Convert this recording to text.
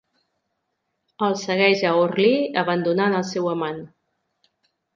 El segueix a Orly, abandonant el seu amant.